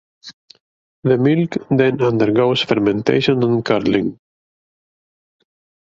The milk then undergoes fermentation and curdling.